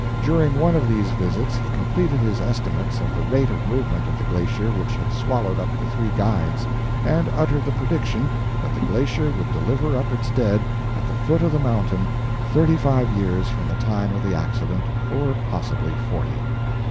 During one of these visits he completed his estimates of the rate of movement of the glacier which had swallowed up the three guides, and uttered the prediction that the glacier would deliver up its dead at the foot of the mountain thirty five years from the time of the accident, or possibly forty.